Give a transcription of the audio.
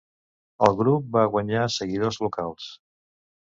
El grup va guanyar seguidors locals.